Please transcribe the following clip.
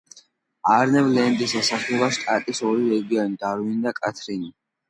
არნემ-ლენდის ესაზღვრება შტატის ორი რეგიონი: დარვინი და კათრინი.